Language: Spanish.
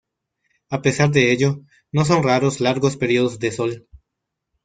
A pesar de ello no son raros largos periodos de sol.